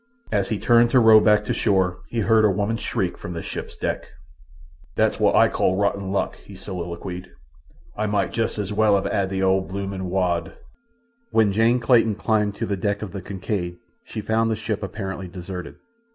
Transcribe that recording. As he turned to row back to shore he heard a woman's shriek from the ship's deck. "That's wot I calls rotten luck," he soliloquized. "I might jest as well of 'ad the whole bloomin' wad." When Jane Clayton climbed to the deck of the Kincaid she found the ship apparently deserted.